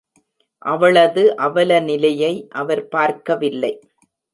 அவளது அவலநிலையை அவர் பார்க்கவில்லை.